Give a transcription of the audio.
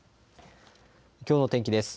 きょうの天気です。